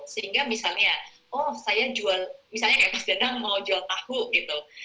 sehingga misalnya oh saya jual misalnya kemas dandang mau jual tahu gitu